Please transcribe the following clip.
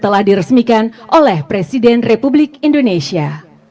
telah diresmikan oleh presiden republik indonesia